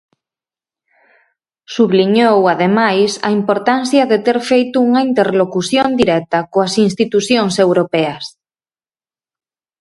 Subliñou, ademais, a importancia de ter feito unha interlocución directa coas institucións europeas.